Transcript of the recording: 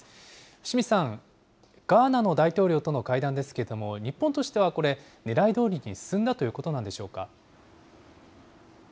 伏見さん、ガーナの大統領との会談ですけども、日本としてはこれ、ねらいどおりに進んだということなんでしょうか。